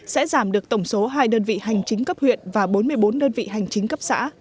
sẽ giảm được tổng số hai đơn vị hành chính cấp huyện và bốn mươi bốn đơn vị hành chính cấp xã